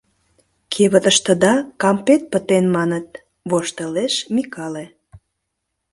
Кевытыштыда кампет пытен, маныт, — воштылеш Микале.